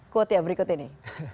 kode ya berikut ini